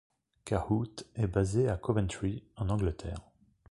Cahoot est basé à Coventry, en Angleterre.